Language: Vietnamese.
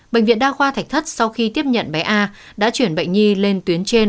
bệnh viện đa khoa thạch thất sau khi tiếp nhận bé a đã chuyển bệnh nhi lên tuyến trên